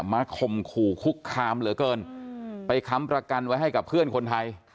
ข่มขู่คุกคามเหลือเกินไปค้ำประกันไว้ให้กับเพื่อนคนไทย